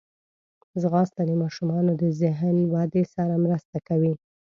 ځغاسته د ماشومانو د ذهن ودې سره مرسته کوي